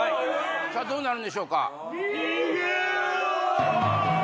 さぁどうなるんでしょうか？